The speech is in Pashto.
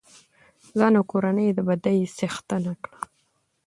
ځان او کورنۍ يې د بدۍ څښتنه کړه.